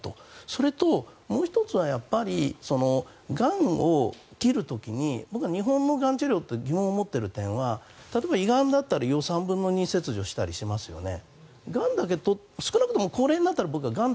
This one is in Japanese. それともう１つはがんを切る時に僕は日本のがん治療に疑問を持っている点は例えば胃がんだったら胃を３分の２切除したりしますよね。